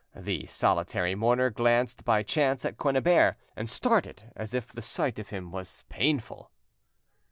The solitary mourner glanced by chance at Quennebert, and started as if the sight of him was painful.